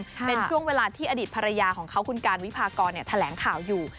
เป็นช่วงเวลาที่อดีตภรรยาของเขาคุณการวิพากรแถลงข่าวอยู่